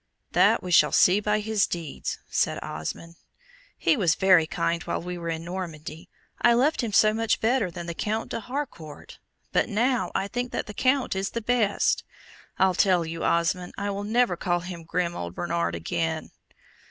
"That we shall see by his deeds," said Osmond. "He was very kind while we were in Normandy. I loved him so much better than the Count de Harcourt; but now I think that the Count is best! I'll tell you, Osmond, I will never call him grim old Bernard again."